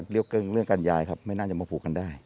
เรื่องการย้ายครับไม่น่าจะมาผูกกันได้